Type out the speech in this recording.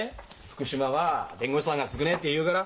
福島は弁護士さんが少ねえって言うがら。